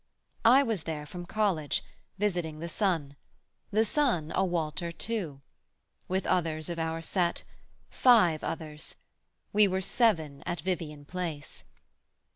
I was there From college, visiting the son, the son A Walter too, with others of our set, Five others: we were seven at Vivian place.